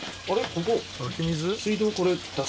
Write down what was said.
ここ。